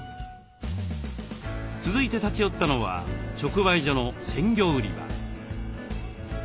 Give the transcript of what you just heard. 続いて立ち寄ったのは直売所の鮮魚売り場。